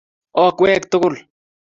okwek tugul